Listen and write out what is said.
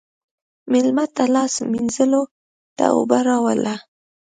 مېلمه ته لاس مینځلو ته اوبه راوله.